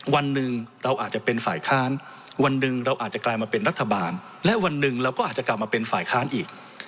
วันหนึ่งเราอาจจะเป็นฝ่ายค้านวันหนึ่งเราอาจจะกลายมาเป็นรัฐบาลและวันหนึ่งเราก็อาจจะกลับมาเป็นฝ่ายค้านอีก